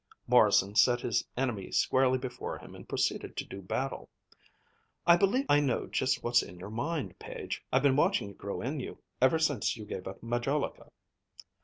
Morrison set his enemy squarely before him and proceeded to do battle. "I believe I know just what's in your mind, Page: I've been watching it grow in you, ever since you gave up majolica."